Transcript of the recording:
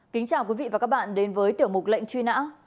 kính chào quý vị và các bạn đến với tiểu mục lệnh truy nã